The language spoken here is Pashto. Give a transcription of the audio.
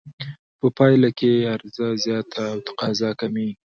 په پایله کې عرضه زیاته او تقاضا کمېږي